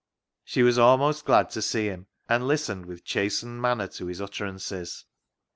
She was almost glad to see him, and listened with chastened manner to his utterances.